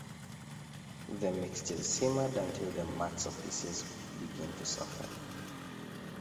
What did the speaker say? The mixture is simmered until the matzo pieces begin to soften.